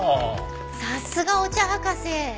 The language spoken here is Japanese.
さすがお茶博士。